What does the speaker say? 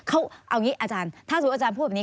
เขาเอาอย่างนี้อาจารย์ถ้าสมมุติอาจารย์พูดแบบนี้